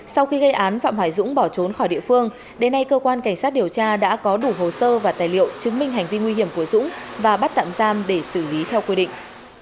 sau khi gây án phạm hải dũng bỏ trốn khỏi địa phương đến nay cơ quan cảnh sát điều tra đã có đủ hồ sơ và tài liệu chứng minh hành vi nguy hiểm của dũng và bắt tạm giam để xử lý theo quy định